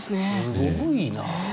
すごいな。